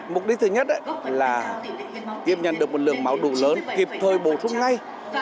mục đích thứ nhất là kiếm nhận được một lượng máu đủ lớn kịp thời bổ trúng ngay